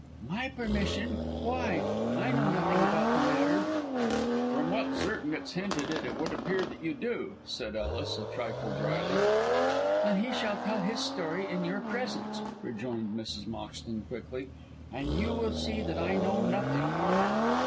"My permission! Why, I know nothing about the matter." "From what Zirknitz hinted it would appear that you do," said Ellis, a trifle drily. "Then he shall tell his story in your presence," rejoined Mrs. Moxton, quickly, "and you will see that I know nothing."